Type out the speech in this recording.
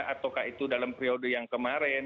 ataukah itu dalam periode yang kemarin